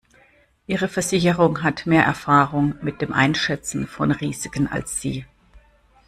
Ihre Versicherung hat mehr Erfahrung mit dem Einschätzen von Risiken als Sie.